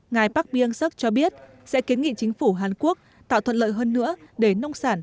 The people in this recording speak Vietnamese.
ngài park byung suk cho biết sẽ kiến nghị chính phủ hàn quốc tạo thuận lợi hơn nữa để nông sản